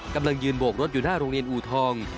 กำลังยืนโบกรถอยู่หน้าโรงเรียนอูทอง